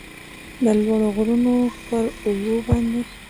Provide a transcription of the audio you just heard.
د لوړو غرونو پراوږو باندې